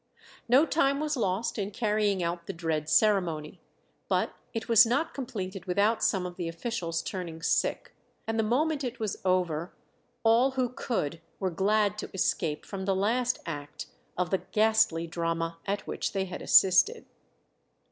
No time was lost in carrying out the dread ceremony; but it was not completed without some of the officials turning sick, and the moment it was over, all who could were glad to escape from the last act of the ghastly drama at which they had assisted.